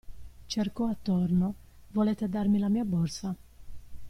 Cercò attorno: Volete darmi la mia borsa?